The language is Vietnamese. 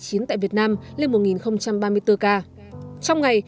trong ngày việt nam đã ghi nhận thêm năm ca mắc covid một mươi chín mới